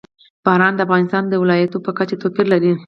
باران د افغانستان د ولایاتو په کچه توپیر لري.